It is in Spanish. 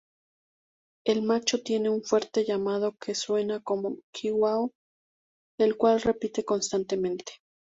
El macho tiene un fuerte llamado que suena como "ki-wao", el cual repite constantemente.